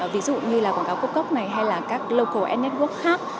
ví dụ như là quảng cáo cốc cốc này hay là các local ad network khác